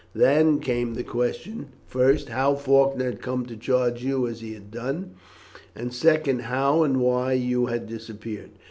Then came the question, first, how Faulkner had come to charge you as he had done, and, second, how and why you had disappeared.